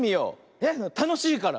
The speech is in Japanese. えったのしいから。